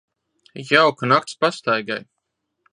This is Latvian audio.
Jauka nakts pastaigai.